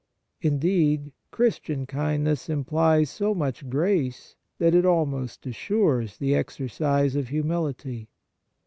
Indeed, Christian kindness implies so much grace that it almost assures the exercise of humility.